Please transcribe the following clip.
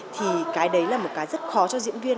thì cái đấy là một cái rất khó cho diễn viên